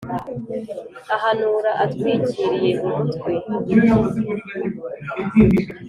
uhanura atwikiriye umutwe.